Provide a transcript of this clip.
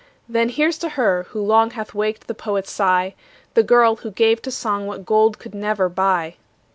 Then here's to her, who long Hath waked the poet's sigh, The girl who gave to song What gold could never buy.